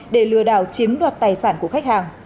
để lừa đảo chiếm đoạt tài sản của khách hàng